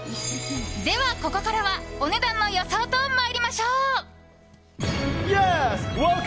では、ここからはお値段の予想と参りましょう。